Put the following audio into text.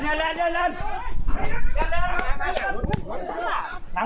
อย่าแรนอย่าแรนอย่าแรน